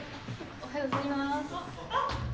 おはようございます！